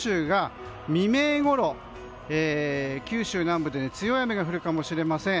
未明ごろ、九州南部で強い雨が降るかもしれません。